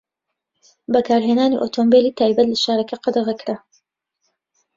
بەکارهێنانی ئۆتۆمبێلی تایبەت لە شارەکە قەدەغە کرا.